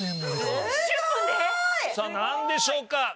さあ何でしょうか。